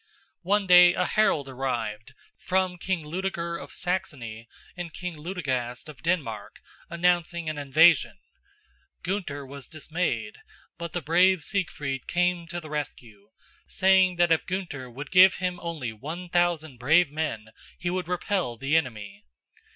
One day a herald arrived from King Ludeger of Saxony and King Ludegast of Denmark, announcing an invasion. Gunther was dismayed; but the brave Siegfried came to the rescue, saying that if Gunther would give him only one thousand brave men he would repel the enemy.